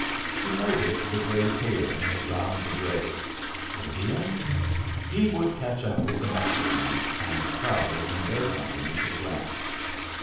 He noted the gray paling round the grave. Indians? He would catch up with the Mexicans, and travel in their company to Grant.